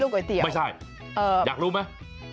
ไม่ใช่อยากรู้มั้ย